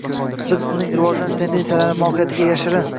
- biz uning rivojlanish tendensiyalari mohiyatiga yashirin